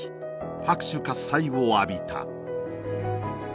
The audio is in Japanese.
拍手喝采を浴びた。